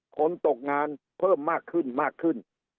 คนตกงานเพิ่มมากขึ้นมากขึ้น